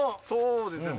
そうですね。